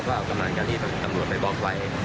แล้วเอากดมหาการรีบรับขาดบัลค็ย